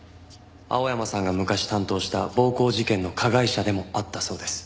青山さんが昔担当した暴行事件の加害者でもあったそうです。